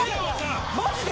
マジで！？